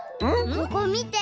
ここみて。